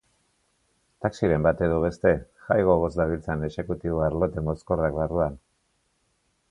Taxiren bat edo beste, jai gogoz dabiltzan exekutibo arlote mozkorrak barruan.